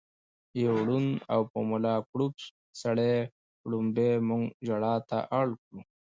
يو ړوند او په ملا کړوپ سړي ړومبی مونږ ژړا ته اړ کړو